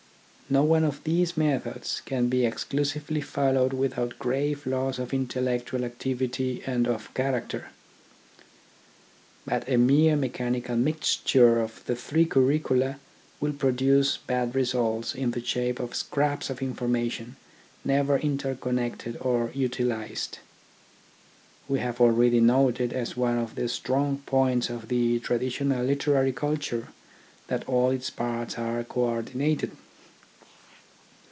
No one of these methods can be exclusively followed without grave loss of intellectual activity and of character. But a mere mechanical mixture of the three curricula will produce bad results in the shape of scraps of information never interconnected or utilised. We have already noted as one of the strong points of the tradi tional literary culture that all its parts are co ordinated.